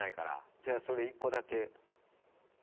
「じゃあそれ１個だけ頼むわ」